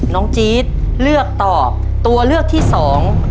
จี๊ดเลือกตอบตัวเลือกที่สอง